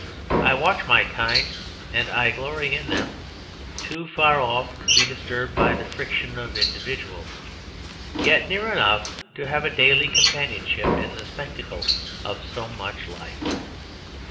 I watch my kind and I glory in them, too far off to be disturbed by the friction of individuals, yet near enough to have a daily companionship in the spectacle of so much life.